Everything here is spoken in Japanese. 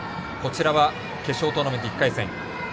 決勝トーナメント１回戦